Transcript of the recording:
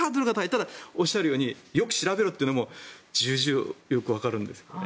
ただおっしゃるようによく調べろというのも重々よくわかるんですよね。